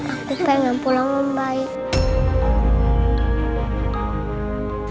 aku pengen pulang membaik